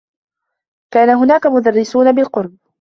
كان هناك مدرّسون بالقرب.